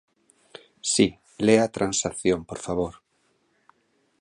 Si, lea a transacción, por favor.